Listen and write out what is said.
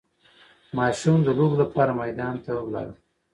ماشوم د لوبو لپاره میدان ته لاړ.